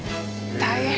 大変！